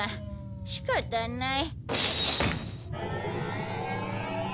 仕方ない。